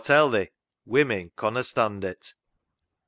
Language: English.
Aw tell thi, women conna stond it."